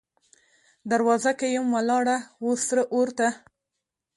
دروازه کې یم ولاړه، وه سره اور ته